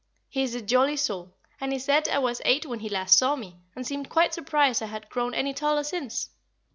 He is a jolly soul, and he said I was eight when he last saw me, and seemed quite surprised I had grown any taller since!